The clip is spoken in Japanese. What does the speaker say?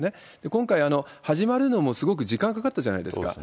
今回、始まるのもすごく時間かかったじゃないですか。